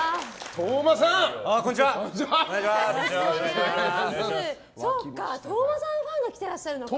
斗真さんファンが来てらっしゃるのか。